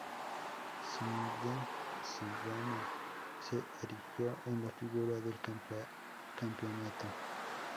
Zinedine Zidane se erigió en la figura del campeonato.